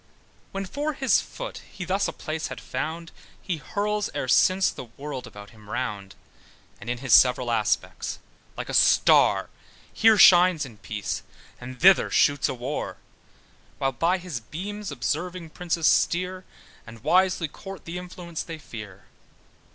When for his foot he thus a place had found, He hurls e'er since the world about him round, And in his several aspects, like a star, Here shines in peace, and thither shoots in war, While by his beams observing princes steer, And wisely court the influence they fear.